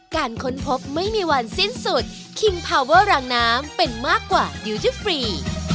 ค้นพบไม่มีวันสิ้นสุดคิงพาวเวอร์รางน้ำเป็นมากกว่าดิวเจอร์ฟรี